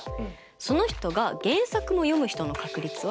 その人が「原作も読む人」の確率は？